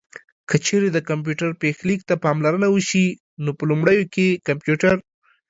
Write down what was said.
که چېرې د کمپيوټر پيښليک ته پاملرنه وشي نو په لومړيو کې کمپيوټر